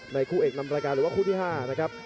คู่เอกนำรายการหรือว่าคู่ที่๕นะครับ